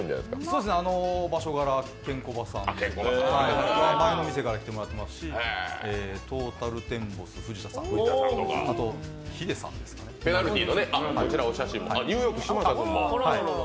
そうですね、場所柄ケンコバさんとか前の店から来てもらってますしトータルテンボス・藤田さん、ニューヨーク・嶋佐君も。